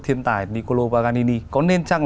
tên tài niccolò paganini có nên chăng